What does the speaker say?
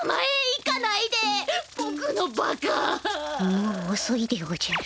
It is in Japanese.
もうおそいでおじゃる。